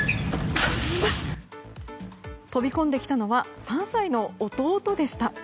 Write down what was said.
飛び込んできたのは３歳の弟でした。